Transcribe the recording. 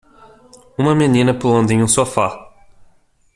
Uma menina pulando em um sofá.